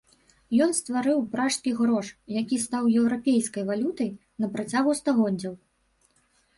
Ён стварыў пражскі грош, які стаў еўрапейскай валютай на працягу стагоддзяў.